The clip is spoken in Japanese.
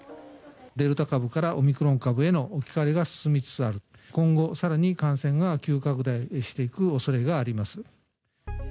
デルタ株からオミクロン株への置き換わりが進みつつある、今後、さらに感染が急拡大していくおそれがあります。